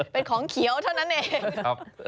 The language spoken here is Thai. เป็นของเขียวเท่านั้นเอง